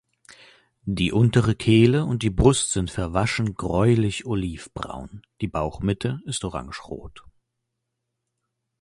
Die untere Kehle und die Brust sind verwaschen gräulich olivbraun, die Bauchmitte ist orange-rot.